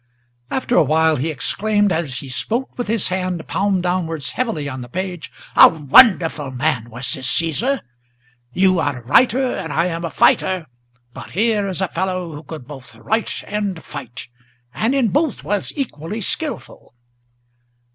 After a while he exclaimed, as he smote with his hand, palm downwards, Heavily on the page: "A wonderful man was this Caesar! You are a writer, and I am a fighter, but here is a fellow Who could both write and fight, and in both was equally skilful!"